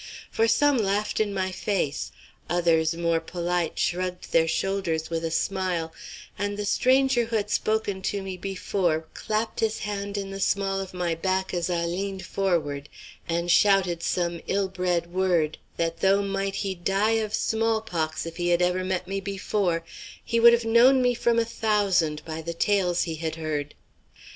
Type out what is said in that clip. For some laughed in my face, others more polite, shrugged their shoulders with a smile, and the stranger who had spoken to me before clapped his hand in the small of my back as I leaned forward, and shouted some ill bred word that, though might he die of small pox if he had ever met me before, he would have known me from a thousand by the tales he had heard.